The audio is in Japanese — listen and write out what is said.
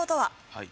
はい。